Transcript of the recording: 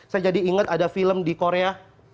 saya jadi ingat ada film di korea